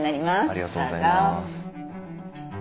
ありがとうございます。